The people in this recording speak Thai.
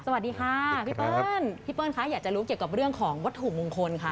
สวัสดีค่ะพี่เปิ้ลเจอกับเรื่องของวัดถุมงคลค่ะ